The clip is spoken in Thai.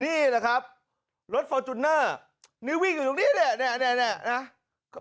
นี่แหละครับรถฟอร์จุนเนอร์นิ้ววิ่งอยู่ตรงนี้เนี่ยเนี่ยเนี่ยเนี่ยเนี่ย